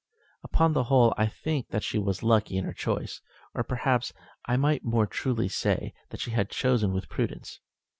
Upon the whole I think that she was lucky in her choice; or, perhaps, I might more truly say, that she had chosen with prudence.